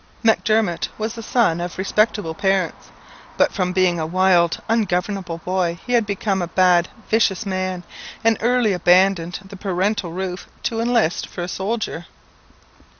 MacDermot was the son of respectable parents; but from being a wild, ungovernable boy, he became a bad, vicious man, and early abandoned the parental roof to enlist for a soldier.